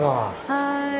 はい。